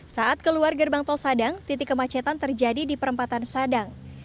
saat keluar gerbang tol sadang titik kemacetan terjadi di perempatan sadang